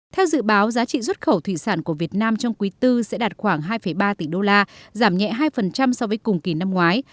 theo dự báo giá trị xuất khẩu thủy sản của việt nam trong quý iv sẽ đạt khoảng hai ba tỷ đô la giảm nhẹ hai so với cùng kỳ năm ngoái